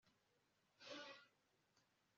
amafaranga yakirwa ahantu hose